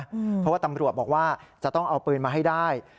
เพราะว่าตำรวจบอกว่าจะต้องเอาปืนมาให้ได้